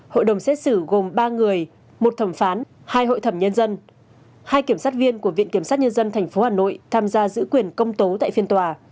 hội đồng xét xử gồm ba người một thẩm phán hai hội thẩm nhân dân hai kiểm sát viên của viện kiểm sát nhân dân tp hà nội tham gia giữ quyền công tố tại phiên tòa